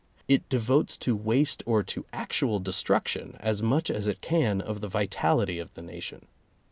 It de votes to waste or to actual destruction as much as it can of the vitality of the nation.